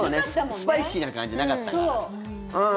そうね、スパイシーな感じなかったから。